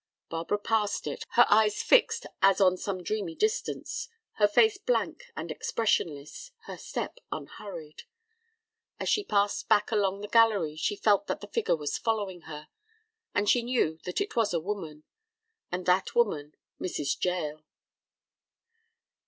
Barbara passed it, her eyes fixed as on some dreamy distance, her face blank and expressionless, her step unhurried. As she passed back along the gallery she felt that the figure was following her, and knew that it was a woman, and that woman Mrs. Jael.